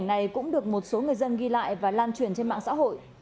này cũng được một số người dân ghi lại và lan truyền trên mạng xã hội